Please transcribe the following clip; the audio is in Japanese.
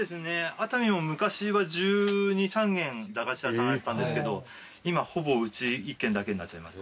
熱海も昔は１２１３軒駄菓子屋さんあったんですけど今ほぼうち１軒だけになっちゃいました。